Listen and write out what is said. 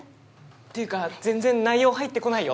っていうか全然内容入ってこないよ。